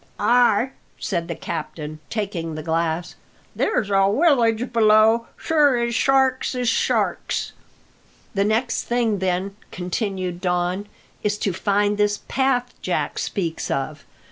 "Ay," said the captain, taking the glass; "there's a willage below, sure as sharks is sharks." "The next thing, then," continued Don, "is to find this path Jack speaks of.